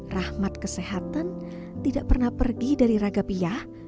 rahmat kesehatan tidak pernah pergi dari raga piyah